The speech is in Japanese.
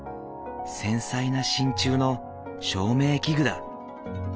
繊細な真鍮の照明器具だ。